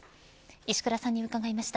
石倉さんに伺いました。